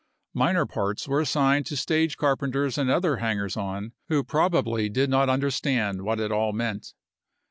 Minor parts were assigned to stage carpenters and other hangers on, who probably did not understand what it all meant.